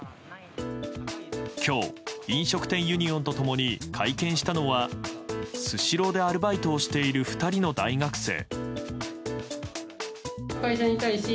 今日、飲食店ユニオンと共に会見をしたのはスシローでアルバイトをしている２人の大学生。